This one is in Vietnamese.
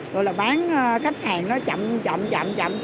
rồi là bán khách hàng nó chậm chậm chậm chậm